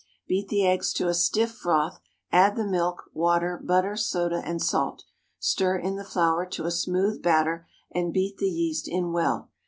Beat the eggs to a stiff froth, add the milk, water, butter, soda, and salt; stir in the flour to a smooth batter, and beat the yeast in well.